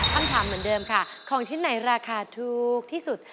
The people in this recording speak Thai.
คำถามเหมือนเดิมค่ะของชิ้นไหนราคาถูกที่สุด